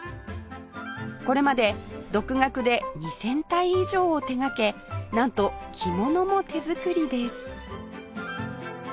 これまで独学で２０００体以上を手がけなんと着物も手作りです